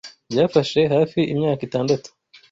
byafashe hafi imyaka itandatu